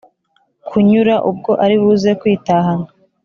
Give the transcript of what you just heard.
kunyura ubwo aribuze kwitahana.